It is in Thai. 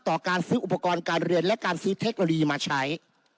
การซื้ออุปกรณ์การเรียนและการซื้อเทคโนโลยีมาใช้